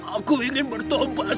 aku ingin bertobat